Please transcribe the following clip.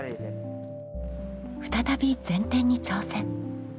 再び前転に挑戦。